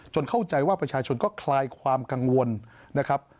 เข้าใจว่าประชาชนก็คลายความกังวลนะครับ